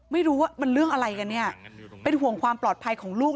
ไม่รู้ว่ามันเรื่องอะไรกันเนี่ยเป็นห่วงความปลอดภัยของลูก